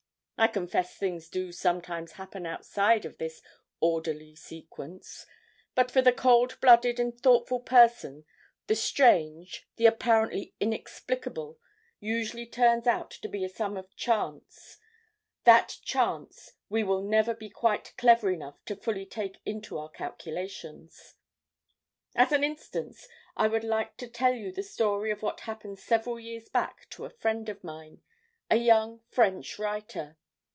I confess things do sometimes happen outside of this orderly sequence; but for the cold blooded and thoughtful person the Strange, the apparently Inexplicable, usually turns out to be a sum of Chance, that Chance we will never be quite clever enough to fully take into our calculations. "As an instance I would like to tell you the story of what happened several years back to a friend of mine, a young French writer.